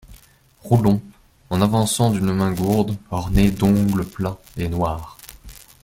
Roulon, en avançant une main gourde ornée d'ongles plats et noirs.